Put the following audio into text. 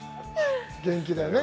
元気だよね。